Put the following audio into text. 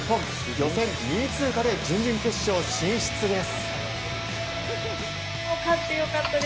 予選２位通過で準々決勝進出です。